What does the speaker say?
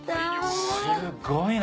すっごいな。